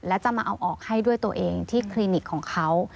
และจะมาเอาออกให้ด้วยตัวเองที่คลินิกของเขา